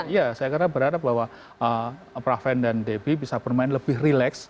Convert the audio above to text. ya saya kira berharap bahwa praven dan debbie bisa bermain lebih rileks